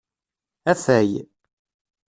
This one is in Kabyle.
Afay.